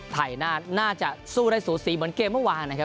ไทยน่าจะสู้ได้สูสีเหมือนเกมเมื่อวานนะครับ